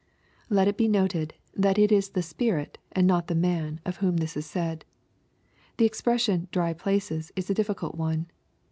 Let it be noted, that it is the " spirit," and not the man, of whom this is said. — The expression, " dry places," is a difficult one.